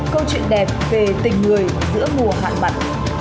câu chuyện đẹp về tình người giữa mùa hạn mặn